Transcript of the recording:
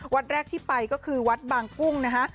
วัดแรกที่ไปก็คือวัดบางกุ้งนะฮะ